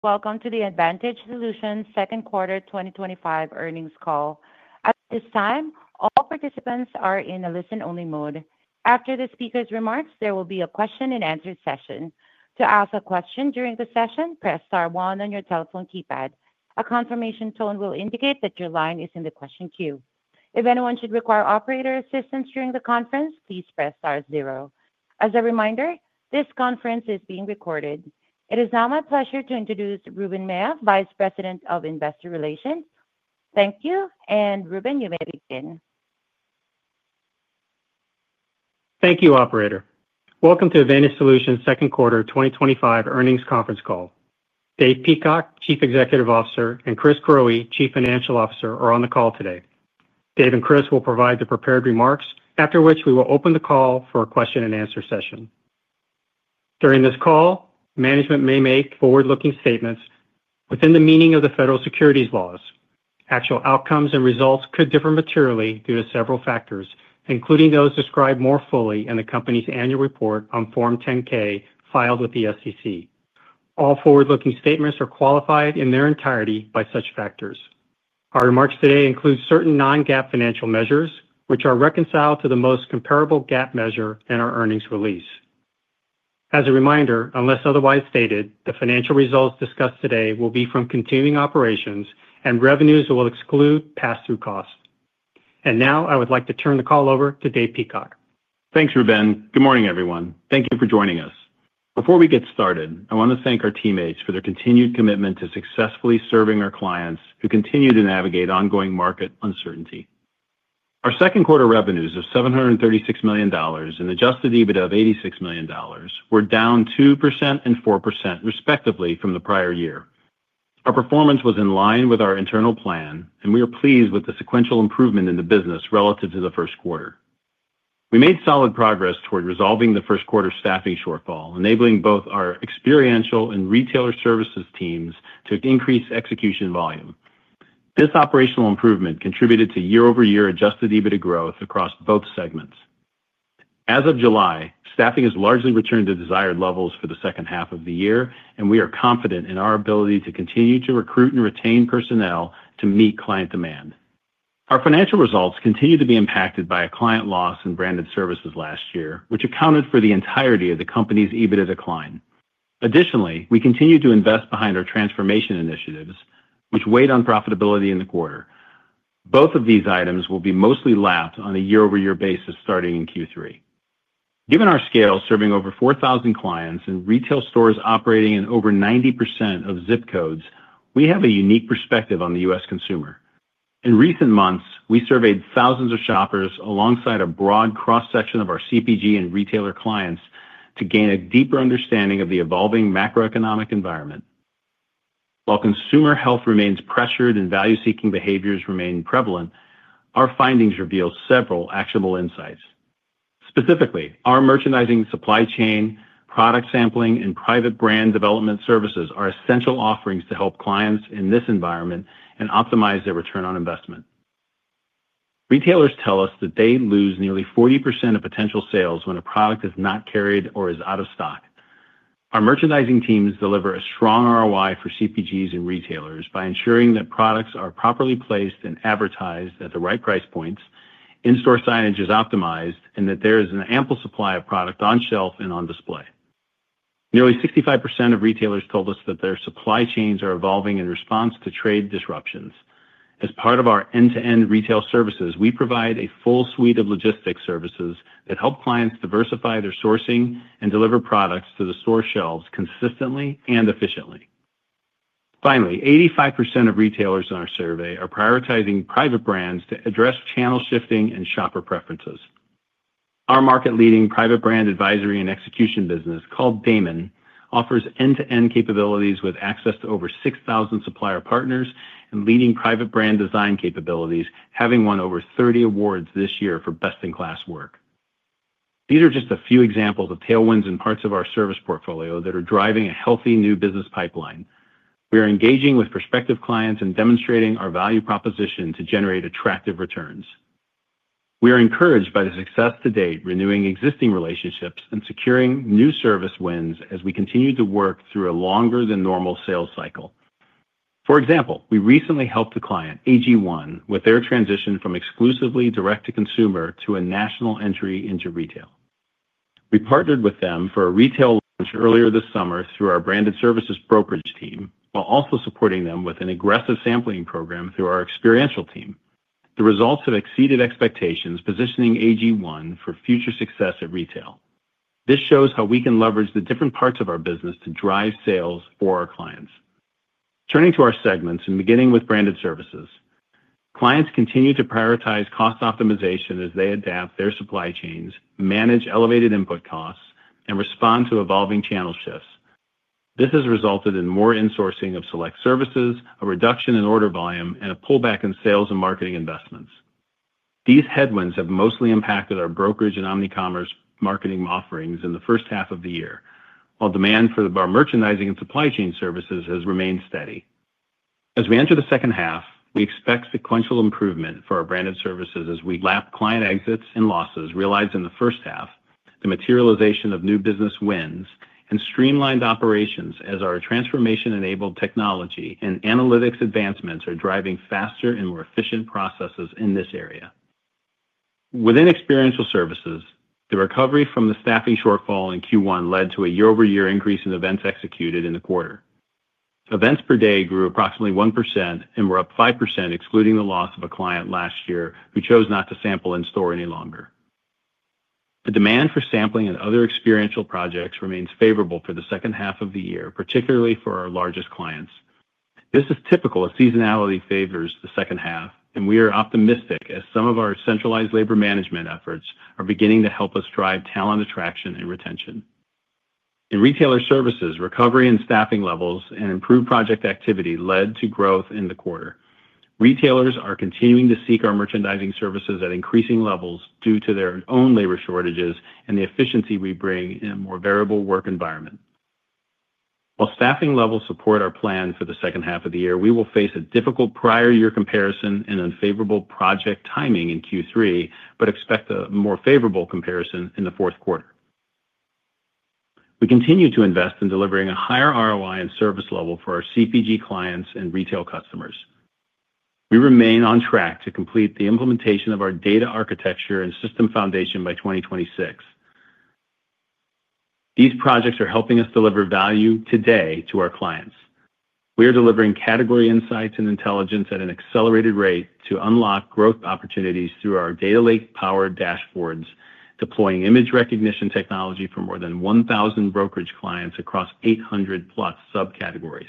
Welcome to the Advantage Solutions Second Quarter 2025 Earnings Call. At this time, all participants are in a listen-only mode. After the speaker's remarks, there will be a question-and-answer session. To ask a question during the session, press star one on your telephone keypad. A confirmation tone will indicate that your line is in the question queue. If anyone should require operator assistance during the conference, please press star zero. As a reminder, this conference is being recorded. It is now my pleasure to introduce Ruben Mella, Vice President of Investor Relations. Thank you. Ruben, you may begin. Thank you, operator. Welcome to Advantage Solutions' Second Quarter 2025 Earnings Conference Call. Dave Peacock, Chief Executive Officer, and Chris Growe, Chief Financial Officer, are on the call today. Dave and Chris will provide the prepared remarks, after which we will open the call for a question-and-answer session. During this call, management may make forward-looking statements within the meaning of the Federal Securities Laws. Actual outcomes and results could differ materially due to several factors, including those described more fully in the company's annual report on Form 10-K filed with the SEC. All forward-looking statements are qualified in their entirety by such factors. Our remarks today include certain non-GAAP financial measures, which are reconciled to the most comparable GAAP measure in our earnings release. As a reminder, unless otherwise stated, the financial results discussed today will be from continuing operations and revenues that will exclude pass-through costs. I would like to turn the call over to Dave Peacock. Thanks, Ruben. Good morning, everyone. Thank you for joining us. Before we get started, I want to thank our teammates for their continued commitment to successfully serving our clients who continue to navigate ongoing market uncertainty. Our second quarter revenues of $736 million and adjusted EBITDA of $86 million were down 2% and 4% respectively from the prior year. Our performance was in line with our internal plan, and we are pleased with the sequential improvement in the business relative to the first quarter. We made solid progress toward resolving the first quarter's staffing shortfall, enabling both our Experiential Services and Retailer Services teams to increase execution volume. This operational improvement contributed to year-over-year adjusted EBITDA growth across both segments. As of July, staffing has largely returned to desired levels for the second half of the year, and we are confident in our ability to continue to recruit and retain personnel to meet client demand. Our financial results continue to be impacted by a client loss in Branded Services last year, which accounted for the entirety of the company's EBITDA decline. Additionally, we continue to invest behind our transformation initiatives, which weighed on profitability in the quarter. Both of these items will be mostly lapped on a year-over-year basis starting in Q3. Given our scale serving over 4,000 clients and retail stores operating in over 90% of zip codes, we have a unique perspective on the U.S. consumer. In recent months, we surveyed thousands of shoppers alongside a broad cross-section of our CPG and retailer clients to gain a deeper understanding of the evolving macroeconomic environment. While consumer health remains pressured and value-seeking behaviors remain prevalent, our findings reveal several actionable insights. Specifically, our merchandising, supply chain services, product sampling, and private brand development services are essential offerings to help clients in this environment and optimize their ROI. Retailers tell us that they lose nearly 40% of potential sales when a product is not carried or is out of stock. Our merchandising teams deliver a strong ROI for CPGs and retailers by ensuring that products are properly placed and advertised at the right price points, in-store signage is optimized, and that there is an ample supply of product on shelf and on display. Nearly 65% of retailers told us that their supply chains are evolving in response to trade disruptions. As part of our end-to-end retail services, we provide a full suite of logistics services that help clients diversify their sourcing and deliver products to the store shelves consistently and efficiently. Finally, 85% of retailers in our survey are prioritizing private brands to address channel shifting and shopper preferences. Our market-leading private brand advisory and execution business called Damon offers end-to-end capabilities with access to over 6,000 supplier partners and leading private brand design capabilities, having won over 30 awards this year for best-in-class work. These are just a few examples of tailwinds in parts of our service portfolio that are driving a healthy new business pipeline. We are engaging with prospective clients and demonstrating our value proposition to generate attractive returns. We are encouraged by the success to date, renewing existing relationships and securing new service wins as we continue to work through a longer-than-normal sales cycle. For example, we recently helped a client, AG1, with their transition from exclusively direct-to-consumer to a national entry into retail. We partnered with them for a retail launch earlier this summer through our Branded Services brokerage team, while also supporting them with an aggressive sampling program through our Experiential Services team. The results have exceeded expectations, positioning AG1 for future success at retail. This shows how we can leverage the different parts of our business to drive sales for our clients. Turning to our segments and beginning with Branded Services, clients continue to prioritize cost optimization as they adapt their supply chains, manage elevated input costs, and respond to evolving channel shifts. This has resulted in more insourcing of select services, a reduction in order volume, and a pullback in sales and marketing investments. These headwinds have mostly impacted our brokerage and omni commerce marketing offerings in the first half of the year, while demand for our merchandising and supply chain services has remained steady. As we enter the second half, we expect sequential improvement for our Branded Services as we lap client exits and losses realized in the first half, the materialization of new business wins, and streamlined operations as our transformation-enabled technology and analytics advancements are driving faster and more efficient processes in this area. Within Experiential Services, the recovery from the staffing shortfall in Q1 led to a year-over-year increase in events executed in the quarter. Events per day grew approximately 1% and were up 5%, excluding the loss of a client last year who chose not to sample in store any longer. The demand for sampling and other experiential projects remains favorable for the second half of the year, particularly for our largest clients. This is typical as seasonality favors the second half, and we are optimistic as some of our centralized labor management efforts are beginning to help us drive talent attraction and retention. In Retailer Services, recovery in staffing levels and improved project activity led to growth in the quarter. Retailers are continuing to seek our merchandising services at increasing levels due to their own labor shortages and the efficiency we bring in a more variable work environment. While staffing levels support our plan for the second half of the year, we will face a difficult prior-year comparison and unfavorable project timing in Q3, but expect a more favorable comparison in the fourth quarter. We continue to invest in delivering a higher ROI and service level for our CPG clients and retail customers. We remain on track to complete the implementation of our data architecture and system foundation by 2026. These projects are helping us deliver value today to our clients. We are delivering category insights and intelligence at an accelerated rate to unlock growth opportunities through our data lake-powered dashboards, deploying image recognition technology for more than 1,000 brokerage clients across 800+ subcategories.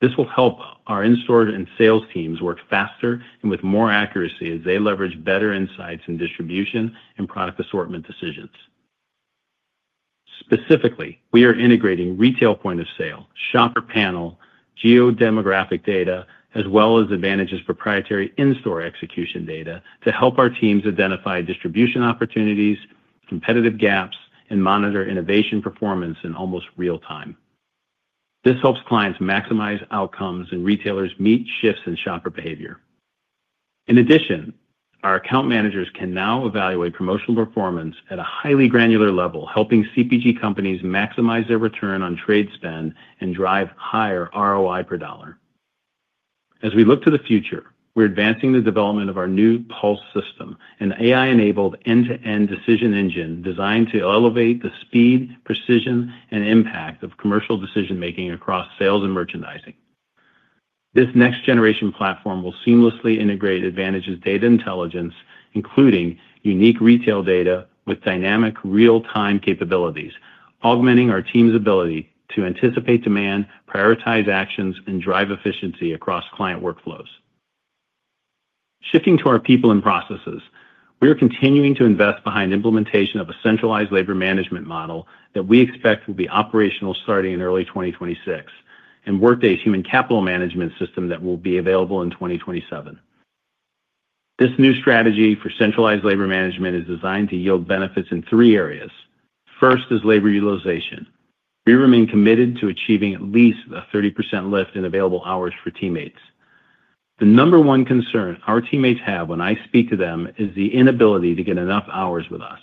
This will help our in-store and sales teams work faster and with more accuracy as they leverage better insights in distribution and product assortment decisions. Specifically, we are integrating retail point of sale, shopper panel, geo-demographic data, as well as Advantage's proprietary in-store execution data to help our teams identify distribution opportunities, competitive gaps, and monitor innovation performance in almost real time. This helps clients maximize outcomes and retailers meet shifts in shopper behavior. In addition, our account managers can now evaluate promotional performance at a highly granular level, helping CPG companies maximize their return on trade spend and drive higher ROI per dollar. As we look to the future, we're advancing the development of our new Pulse system, an AI-enabled end-to-end decision engine designed to elevate the speed, precision, and impact of commercial decision-making across sales and merchandising. This next-generation platform will seamlessly integrate Advantage's data intelligence, including unique retail data with dynamic real-time capabilities, augmenting our team's ability to anticipate demand, prioritize actions, and drive efficiency across client workflows. Shifting to our people and processes, we are continuing to invest behind the implementation of a centralized labor management model that we expect will be operational starting in early 2026, and Workday's human capital management system that will be available in 2027. This new strategy for centralized labor management is designed to yield benefits in three areas. First is labor utilization. We remain committed to achieving at least a 30% lift in available hours for teammates. The number one concern our teammates have when I speak to them is the inability to get enough hours with us.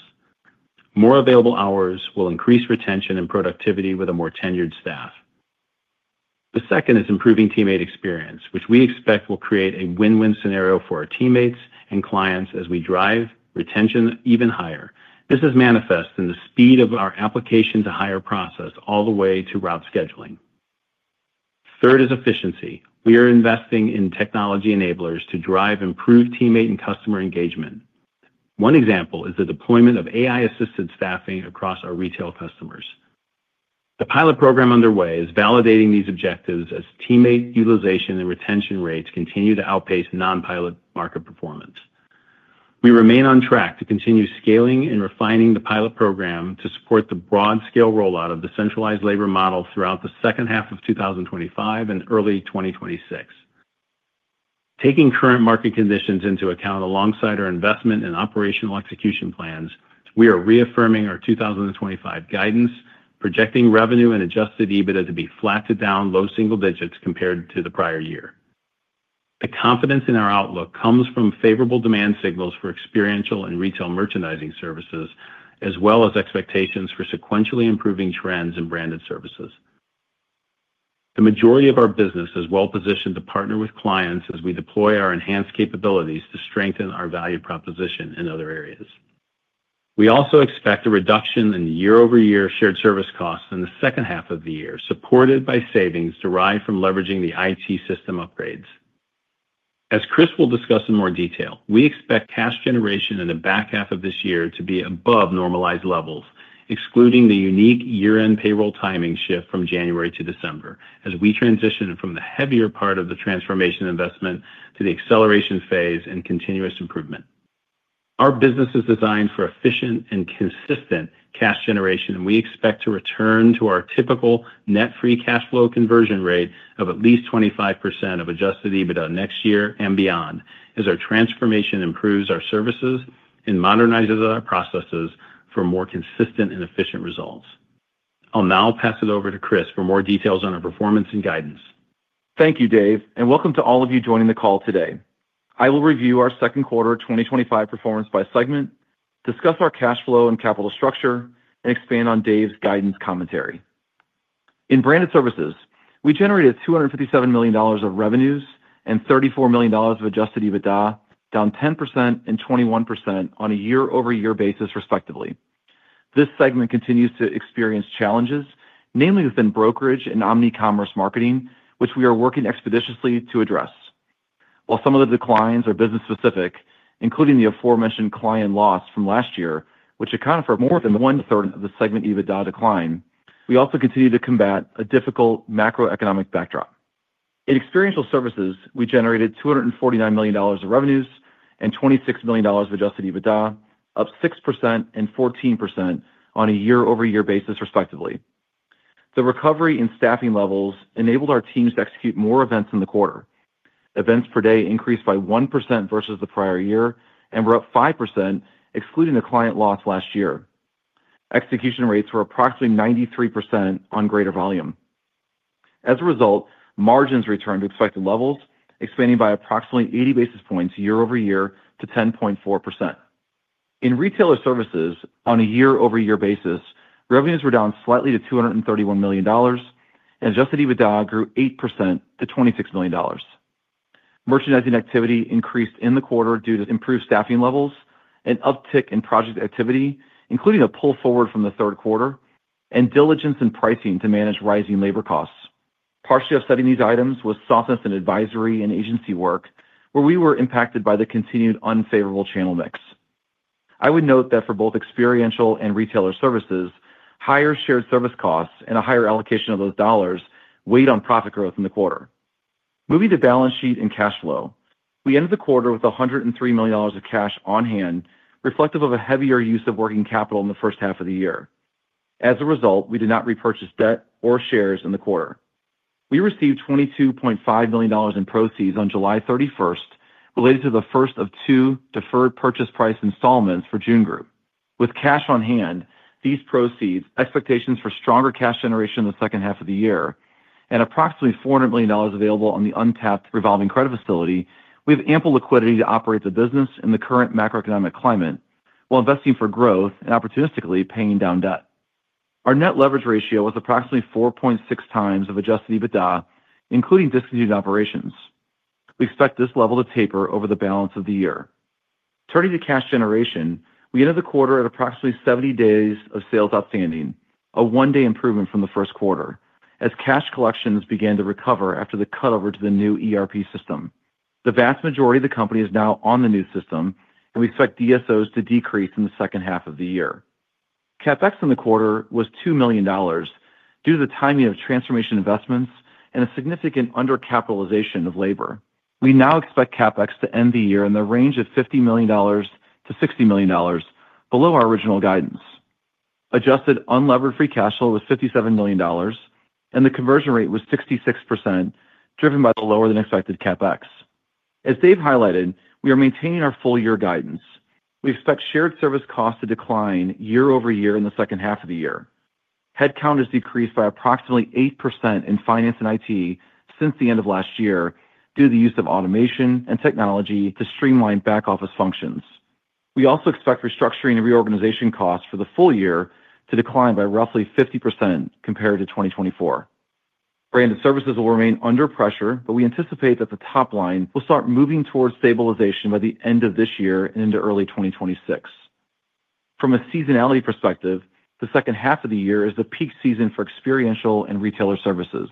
More available hours will increase retention and productivity with a more tenured staff. The second is improving teammate experience, which we expect will create a win-win scenario for our teammates and clients as we drive retention even higher. This is manifest in the speed of our application-to-hire process all the way to route scheduling. Third is efficiency. We are investing in technology enablers to drive improved teammate and customer engagement. One example is the deployment of AI assisted staffing across our retail customers. A pilot program underway is validating these objectives as teammate utilization and retention rates continue to outpace non-pilot market performance. We remain on track to continue scaling and refining the pilot program to support the broad-scale rollout of the centralized labor model throughout the second half of 2025 and early 2026. Taking current market conditions into account alongside our investment in operational execution plans, we are reaffirming our 2025 guidance, projecting revenue and adjusted EBITDA to be flat to down low single digits compared to the prior year. The confidence in our outlook comes from favorable demand signals for experiential and retail merchandising services, as well as expectations for sequentially improving trends in Branded Services. The majority of our business is well-positioned to partner with clients as we deploy our enhanced capabilities to strengthen our value proposition in other areas. We also expect a reduction in year-over-year shared service costs in the second half of the year, supported by savings derived from leveraging the IT system upgrades. As Chris will discuss in more detail, we expect cash generation in the back half of this year to be above normalized levels, excluding the unique year-end payroll timing shift from January to December, as we transition from the heavier part of the transformation investment to the acceleration phase and continuous improvement. Our business is designed for efficient and consistent cash generation, and we expect to return to our typical net free cash flow conversion rate of at least 25% of adjusted EBITDA next year and beyond as our transformation improves our services and modernizes our processes for more consistent and efficient results. I'll now pass it over to Chris for more details on our performance and guidance. Thank you, Dave, and welcome to all of you joining the call today. I will review our second quarter 2025 performance by segment, discuss our cash flow and capital structure, and expand on Dave's guidance commentary. In Branded Services, we generated $257 million of revenues and $34 million of adjusted EBITDA, down 10% and 21% on a year-over-year basis, respectively. This segment continues to experience challenges, namely within brokerage and omni commerce marketing, which we are working expeditiously to address. While some of the declines are business-specific, including the aforementioned client loss from last year, which accounted for more than 1/3 of the segment EBITDA decline, we also continue to combat a difficult macroeconomic backdrop. In Experiential Services, we generated $249 million of revenues and $26 million of adjusted EBITDA, up 6% and 14% on a year-over-year basis, respectively. The recovery in staffing levels enabled our teams to execute more events in the quarter. Events per day increased by 1% versus the prior year and were up 5%, excluding the client loss last year. Execution rates were approximately 93% on greater volume. As a result, margins returned to expected levels, expanding by approximately 80 basis points year-over-year to 10.4%. In Retailer Services, on a year-over-year basis, revenues were down slightly to $231 million, and adjusted EBITDA grew 8% to $26 million. Merchandising activity increased in the quarter due to improved staffing levels, an uptick in project activity, including a pull forward from the third quarter, and diligence in pricing to manage rising labor costs. Partially offsetting these items was softness in advisory and agency work, where we were impacted by the continued unfavorable channel mix. I would note that for both Experiential and Retailer Services, higher shared service costs and a higher allocation of those dollars weighed on profit growth in the quarter. Moving to balance sheet and cash flow, we ended the quarter with $103 million of cash on hand, reflective of a heavier use of working capital in the first half of the year. As a result, we did not repurchase debt or shares in the quarter. We received $22.5 million in proceeds on July 31st, related to the first of two deferred purchase price installments for June Group. With cash on hand, these proceeds, expectations for stronger cash generation in the second half of the year, and approximately $400 million available on the untapped revolving credit facility, we have ample liquidity to operate the business in the current macroeconomic climate while investing for growth and opportunistically paying down debt. Our net leverage ratio was approximately 4.6x of adjusted EBITDA, including discontinued operations. We expect this level to taper over the balance of the year. Turning to cash generation, we ended the quarter at approximately 70 days of sales outstanding, a one-day improvement from the first quarter, as cash collections began to recover after the cutover to the new ERP system. The vast majority of the company is now on the new system, and we expect DSOs to decrease in the second half of the year. CapEx in the quarter was $2 million due to the timing of transformation investments and a significant undercapitalization of labor. We now expect CapEx to end the year in the range of $50 million-$60 million, below our original guidance. Adjusted unlevered free cash flow was $57 million, and the conversion rate was 66%, driven by the lower than expected CapEx. As Dave highlighted, we are maintaining our full-year guidance. We expect shared service costs to decline year-over-year in the second half of the year. Headcount has decreased by approximately 8% in finance and IT since the end of last year due to the use of automation and technology to streamline back-office functions. We also expect restructuring and reorganization costs for the full year to decline by roughly 50% compared to 2024. Branded Services will remain under pressure, but we anticipate that the top line will start moving towards stabilization by the end of this year and into early 2026. From a seasonality perspective, the second half of the year is the peak season for Experiential and Retailer Services.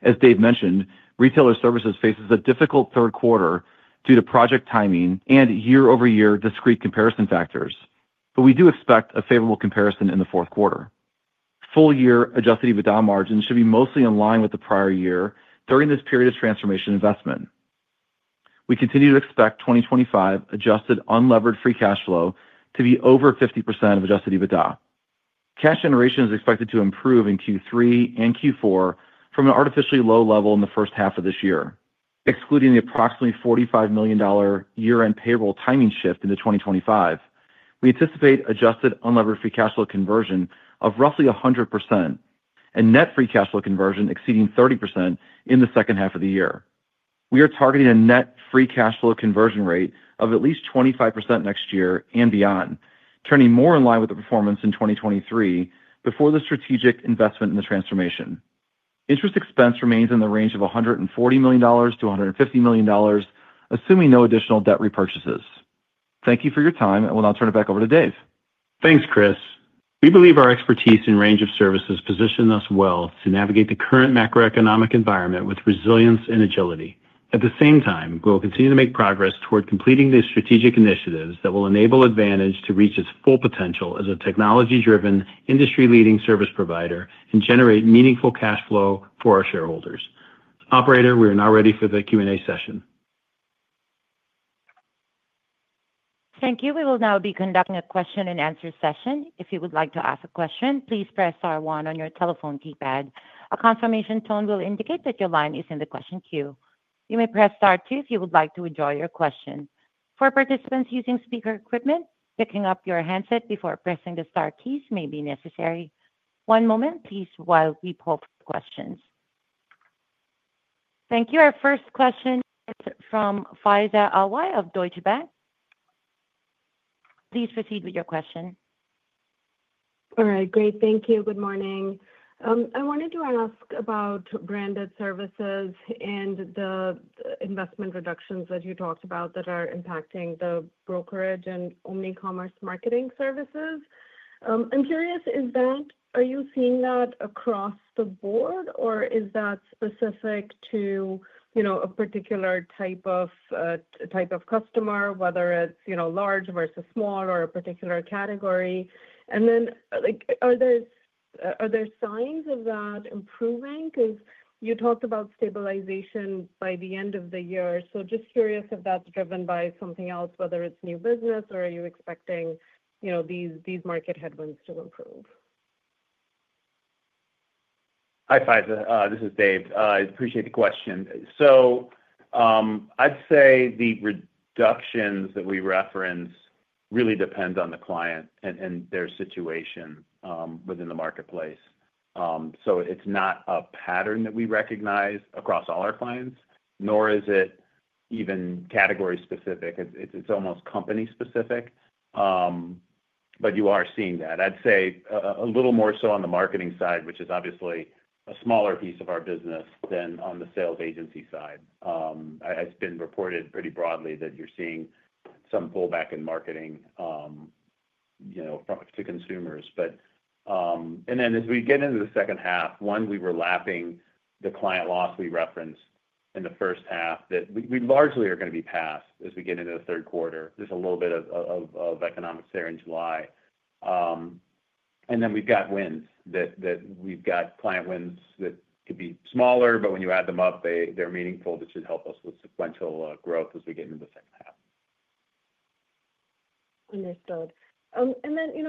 As Dave mentioned, Retailer Services faces a difficult third quarter due to project timing and year-over-year discrete comparison factors, but we do expect a favorable comparison in the fourth quarter. Full-year adjusted EBITDA margins should be mostly in line with the prior year during this period of transformation investment. We continue to expect 2025 adjusted unlevered free cash flow to be over 50% of adjusted EBITDA. Cash generation is expected to improve in Q3 and Q4 from an artificially low level in the first half of this year, excluding the approximately $45 million year-end payroll timing shift into 2025. We anticipate adjusted unlevered free cash flow conversion of roughly 100% and net free cash flow conversion exceeding 30% in the second half of the year. We are targeting a net free cash flow conversion rate of at least 25% next year and beyond, turning more in line with the performance in 2023 before the strategic investment in the transformation. Interest expense remains in the range of $140 million-$150 million, assuming no additional debt repurchases. Thank you for your time, and we'll now turn it back over to Dave. Thanks, Chris. We believe our expertise in a range of services positions us well to navigate the current macroeconomic environment with resilience and agility. At the same time, we will continue to make progress toward completing the strategic initiatives that will enable Advantage Solutions to reach its full potential as a technology-driven, industry-leading service provider and generate meaningful cash flow for our shareholders. Operator, we are now ready for the Q&A session. Thank you. We will now be conducting a question-and-answer session. If you would like to ask a question, please press star one on your telephone keypad. A confirmation tone will indicate that your line is in the question queue. You may press star two if you would like to withdraw your question. For participants using speaker equipment, picking up your handset before pressing the star keys may be necessary. One moment, please, while we pull questions. Thank you. Our first question is from Faiza Alwy of Deutsche Bank. Please proceed with your question. All right. Great. Thank you. Good morning. I wanted to ask about Branded Services and the investment reductions that you talked about that are impacting the brokerage and omni commerce marketing services. I'm curious, are you seeing that across the board, or is that specific to a particular type of customer, whether it's large versus small or a particular category? Are there signs of that improving? You talked about stabilization by the end of the year. Just curious if that's driven by something else, whether it's new business, or are you expecting these market headwinds to improve? Hi, Faiza. This is Dave. I appreciate the question. I'd say the reductions that we reference really depend on the client and their situation within the marketplace. It's not a pattern that we recognize across all our clients, nor is it even category specific. It's almost company specific. You are seeing that a little more so on the marketing side, which is obviously a smaller piece of our business than on the sales agency side. It's been reported pretty broadly that you're seeing some pullback in marketing to consumers. As we get into the second half, we were lapping the client loss we referenced in the first half that we largely are going to be past as we get into the third quarter. There's a little bit of economic stir in July, and we've got client wins that could be smaller, but when you add them up, they're meaningful. That should help us with sequential growth as we get into the second half. Understood.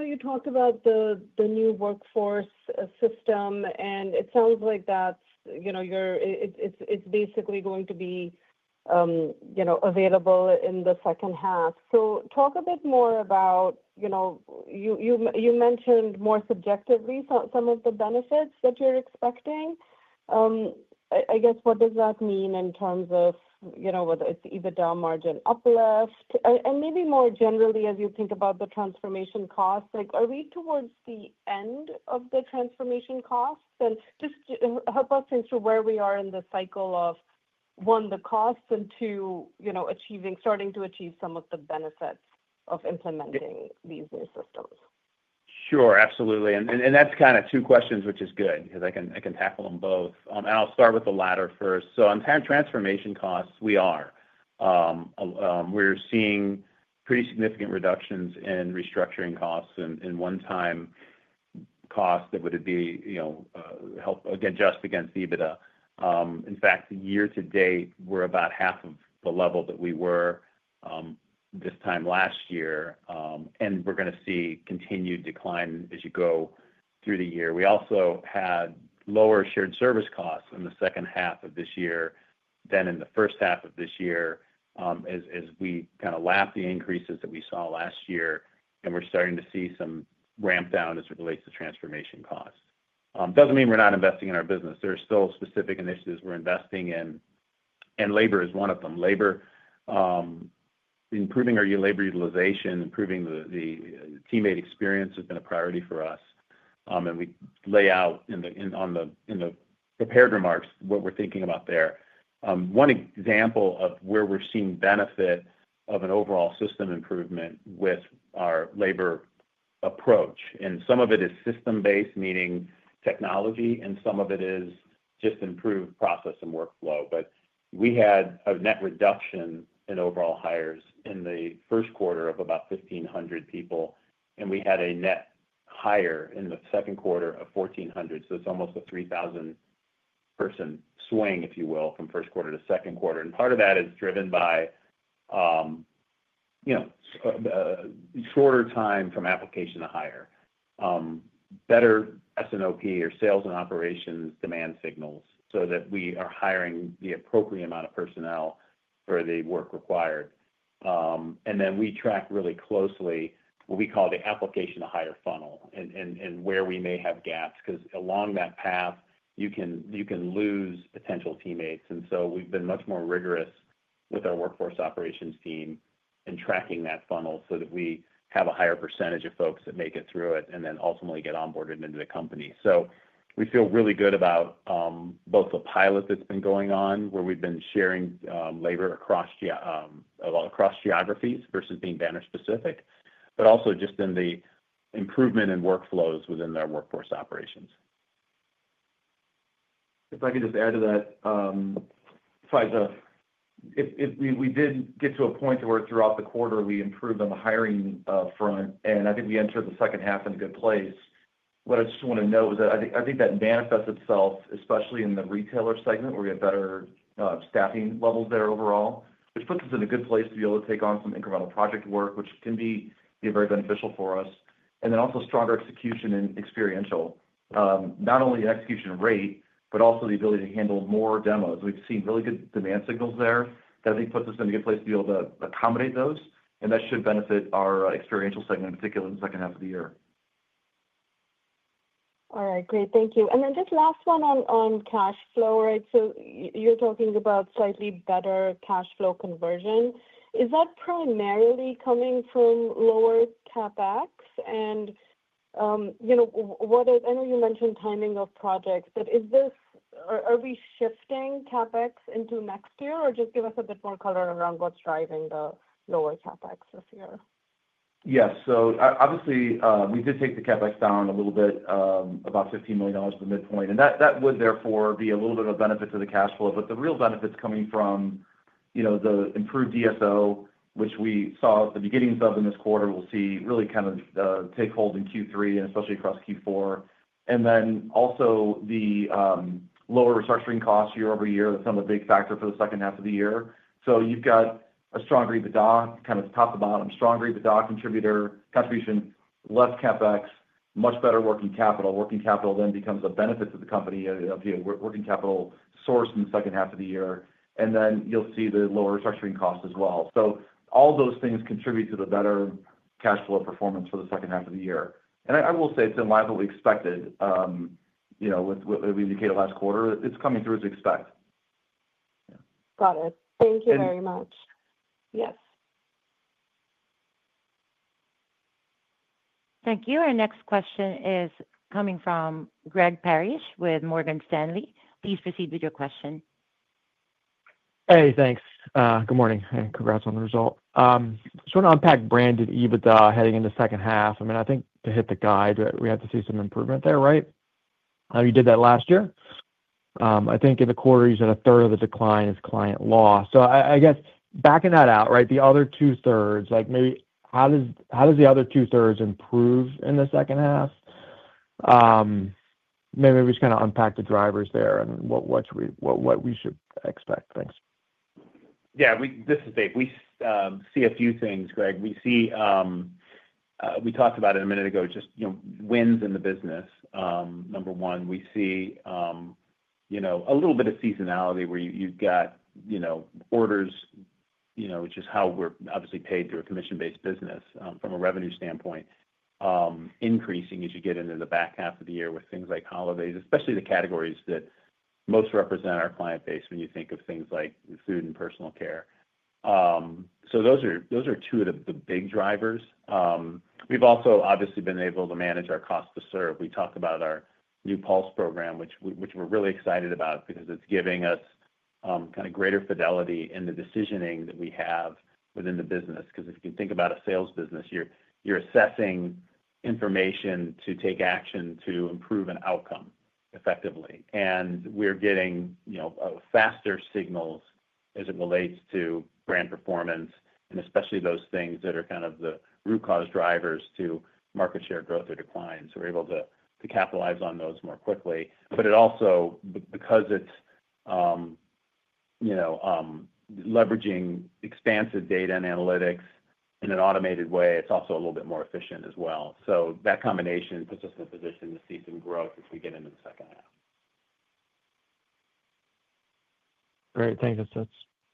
You talked about the new workforce system, and it sounds like that's basically going to be available in the second half. Talk a bit more about, you mentioned more subjectively some of the benefits that you're expecting. I guess what does that mean in terms of whether it's EBITDA margin uplift? Maybe more generally, as you think about the transformation costs, are we towards the end of the transformation costs? Help us think through where we are in the cycle of, one, the costs and, two, starting to achieve some of the benefits of implementing these new systems. Sure. Absolutely. That's kind of two questions, which is good because I can tackle them both. I'll start with the latter first. On transformation costs, we are seeing pretty significant reductions in restructuring costs and in one-time costs that would be, you know, help adjust against EBITDA. In fact, year-to-date, we're about half of the level that we were this time last year, and we're going to see continued decline as you go through the year. We also had lower shared service costs in the second half of this year than in the first half of this year, as we kind of lapped the increases that we saw last year, and we're starting to see some ramp down as it relates to transformation costs. That doesn't mean we're not investing in our business. There's still specific initiatives we're investing in, and labor is one of them. Labor, improving our labor utilization, improving the teammate experience has been a priority for us, and we lay out in the prepared remarks what we're thinking about there. One example of where we're seeing benefit of an overall system improvement with our labor approach, and some of it is system-based, meaning technology, and some of it is just improved process and workflow. We had a net reduction in overall hires in the first quarter of about 1,500 people, and we had a net hire in the second quarter of 1,400. It's almost a 3,000-person swing, if you will, from first quarter to second quarter. Part of that is driven by, you know, shorter time from application to hire, better SNOP or sales and operations demand signals so that we are hiring the appropriate amount of personnel for the work required. We track really closely what we call the application-to-hire funnel and where we may have gaps because along that path, you can lose potential teammates. We've been much more rigorous with our workforce operations team in tracking that funnel so that we have a higher percentage of folks that make it through it and then ultimately get onboarded into the company. We feel really good about both the pilot that's been going on where we've been sharing labor across geographies versus being banner specific, but also just in the improvement in workflows within their workforce operations. If I could just add to that, Faiza, if we did get to a point where throughout the quarter we improved on the hiring front, and I think we entered the second half in a good place, what I just want to note is that I think that manifests itself, especially in the retailer segment where we had better staffing levels there overall, which puts us in a good place to be able to take on some incremental project work, which can be very beneficial for us. Also, stronger execution in experiential, not only execution rate, but also the ability to handle more demos. We've seen really good demand signals there. That puts us in a good place to be able to accommodate those, and that should benefit our experiential segment in particular in the second half of the year. All right. Great. Thank you. Just last one on cash flow, right? You're talking about slightly better cash flow conversion. Is that primarily coming from lower CapEx? I know you mentioned timing of projects, but are we shifting CapEx into next year or just give us a bit more color around what's driving the lower CapEx this year? Yes. Obviously, we did take the CapEx down a little bit, about $15 million to the midpoint. That would, therefore, be a little bit of a benefit to the cash flow. The real benefit is coming from the improved DSO, which we saw the beginnings of in this quarter. We will see that really kind of take hold in Q3 and especially across Q4. Also, the lower restructuring costs year-over-year become a big factor for the second half of the year. You have a stronger EBITDA, kind of top to bottom, stronger EBITDA contribution, less CapEx, much better working capital. Working capital then becomes a benefit to the company, working capital sourced in the second half of the year. You will see the lower restructuring costs as well. All those things contribute to the better cash flow performance for the second half of the year. I will say it's in line with what we expected, with what we indicated last quarter. It's coming through as we expect. Got it. Thank you very much. Yes. Thank you. Our next question is coming from Greg Parrish with Morgan Stanley. Please proceed with your question. Hey, thanks. Good morning. Congrats on the result. I just want to unpack Branded Services EBITDA heading into the second half. I think to hit the guide, we have to see some improvement there, right? I know you did that last year. I think in the quarter, you said 1/3 of the decline is client loss. I guess backing that out, the other 2/3, like maybe how does the other 2/3 improve in the second half? Maybe we just kind of unpack the drivers there and what we should expect. Thanks. Yeah. This is Dave. We see a few things, Greg. We see, we talked about it a minute ago, just, you know, wins in the business. Number one, we see, you know, a little bit of seasonality where you've got, you know, orders, which is how we're obviously paid through a commission-based business from a revenue standpoint, increasing as you get into the back half of the year with things like holidays, especially the categories that most represent our client base when you think of things like food and personal care. Those are two of the big drivers. We've also obviously been able to manage our costs to serve. We talked about our new Pulse system, which we're really excited about because it's giving us kind of greater fidelity in the decisioning that we have within the business. If you think about a sales business, you're assessing information to take action to improve an outcome effectively. We're getting faster signals as it relates to brand performance and especially those things that are kind of the root cause drivers to market share growth or decline. We're able to capitalize on those more quickly. It also, because it's leveraging expansive data and analytics in an automated way, is a little bit more efficient as well. That combination puts us in a position to see some growth if we get into the second half. Great. Thanks. That's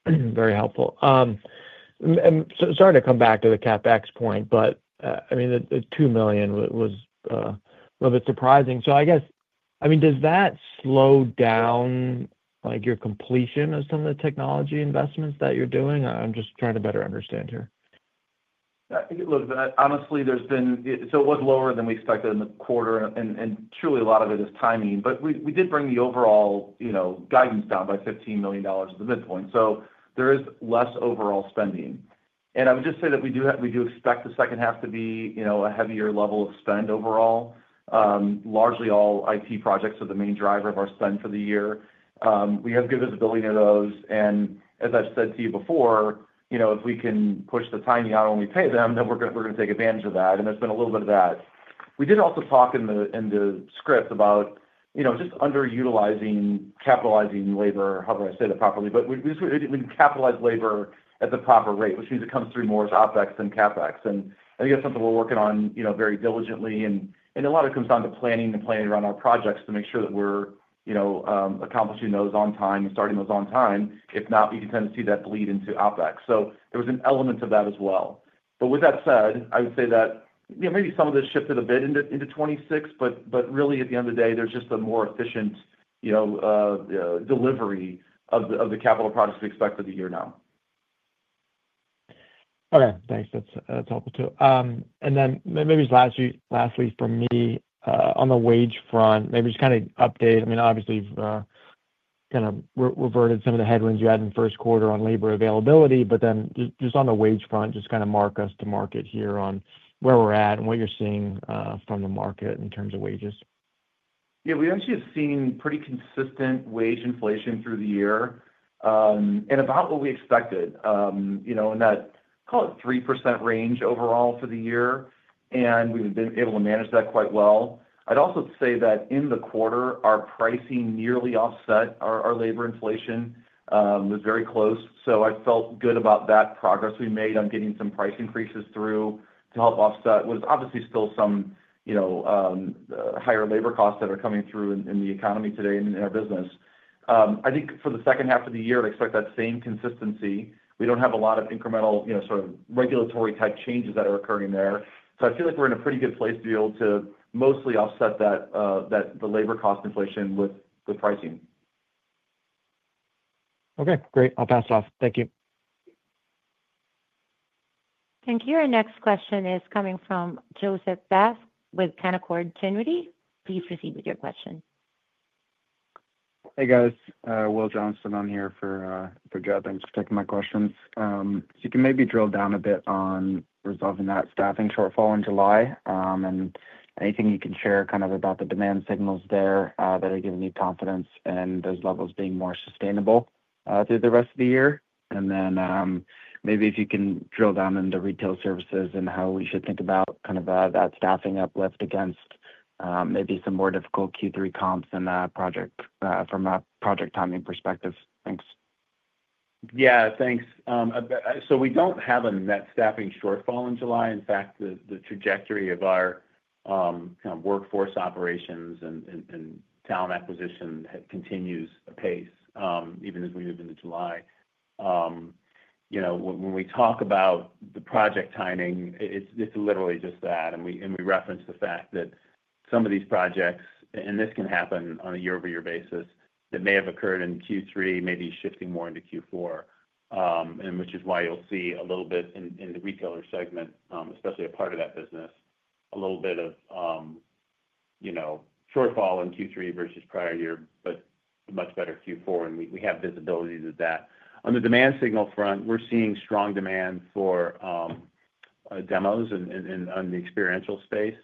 very helpful. Coming back to the CapEx point, the $2 million was a little bit surprising. I guess, does that slow down your completion of some of the technology investments that you're doing? I'm just trying to better understand here. Yeah. Look, honestly, it was lower than we expected in the quarter, and truly, a lot of it is timing. We did bring the overall guidance down by $15 million at the midpoint, so there is less overall spending. I would just say that we do expect the second half to be a heavier level of spend overall. Largely, all IT projects are the main driver of our spend for the year. We have good visibility into those. As I've said to you before, if we can push the timing out on when we pay them, then we're going to take advantage of that. There's been a little bit of that. We did also talk in the script about just underutilizing capitalizing labor, however I say that properly. We capitalize labor at the proper rate, which means it comes through more as OpEx than CapEx. I think that's something we're working on very diligently. A lot of it comes down to planning around our projects to make sure that we're accomplishing those on time and starting those on time. If not, you can tend to see that bleed into OpEx. There was an element of that as well. With that said, I would say that maybe some of this shifted a bit into 2026, but really, at the end of the day, there's just a more efficient delivery of the capital products we expect for the year now. Okay. Thanks. That's helpful too. Maybe just lastly for me, on the wage front, maybe just kind of update. Obviously, you've kind of reverted some of the headwinds you had in the first quarter on labor availability, but just on the wage front, just kind of mark us to market here on where we're at and what you're seeing from the market in terms of wages. Yeah. We actually have seen pretty consistent wage inflation through the year, and about what we expected, you know, in that, call it, 3% range overall for the year. We've been able to manage that quite well. I'd also say that in the quarter, our pricing nearly offset our labor inflation. It was very close. I felt good about that progress we made on getting some price increases through to help offset what is obviously still some, you know, higher labor costs that are coming through in the economy today and in our business. I think for the second half of the year, I'd expect that same consistency. We don't have a lot of incremental, you know, sort of regulatory-type changes that are occurring in there. I feel like we're in a pretty good place to be able to mostly offset that, that the labor cost inflation with the pricing. Okay. Great. I'll pass it off. Thank you. Thank you. Our next question is coming from Joseph Vafi with Canaccord Genuity. Please proceed with your question. Hey, guys. Will Johnston on here for Joe. Thanks for taking my questions. Can you maybe drill down a bit on resolving that staffing shortfall in July, and anything you can share about the demand signals there that are giving you confidence in those levels being more sustainable through the rest of the year? If you can drill down into Retailer Services and how we should think about that staffing uplift against maybe some more difficult Q3 comps and project from a project timing perspective. Thanks. Yeah. Thanks. We don't have a net staffing shortfall in July. In fact, the trajectory of our kind of workforce operations and talent acquisition continues apace even as we move into July. When we talk about the project timing, it's literally just that. We reference the fact that some of these projects, and this can happen on a year-over-year basis, that may have occurred in Q3, maybe shifting more into Q4, which is why you'll see a little bit in the retailer segment, especially a part of that business, a little bit of shortfall in Q3 versus prior year, but much better Q4. We have visibility to that. On the demand signal front, we're seeing strong demand for demos and in the experiential space,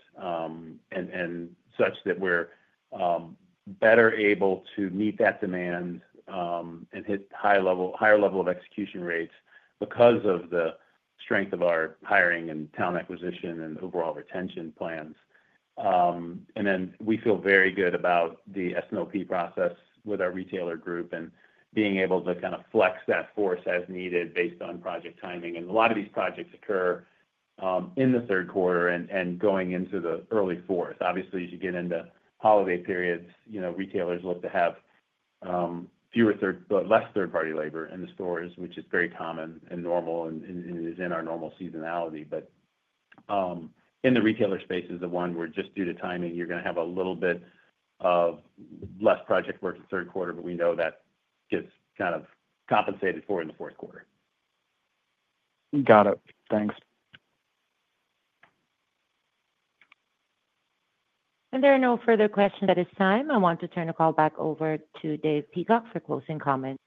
such that we're better able to meet that demand and hit higher level of execution rates because of the strength of our hiring and talent acquisition and overall retention plans. We feel very good about the S&OP process with our retailer group and being able to kind of flex that force as needed based on project timing. A lot of these projects occur in the third quarter and going into the early fourth. Obviously, as you get into holiday periods, retailers look to have less third-party labor in the stores, which is very common and normal and is in our normal seasonality. In the retailer space is the one where just due to timing, you're going to have a little bit of less project work in the third quarter, but we know that gets kind of compensated for in the fourth quarter. Got it. Thanks. There are no further questions at this time. I want to turn the call back over to Dave Peacock for closing comments.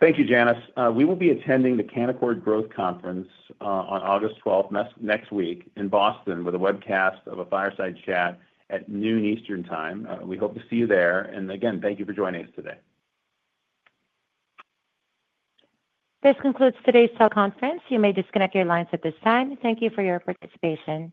Thank you, Janice. We will be attending the Canaccord Growth Conference on August 12th next week in Boston, with a webcast of a fireside chat at 12:00 P.M. Eastern Time. We hope to see you there. Thank you for joining us today. This concludes today's teleconference. You may disconnect your lines at this time. Thank you for your participation.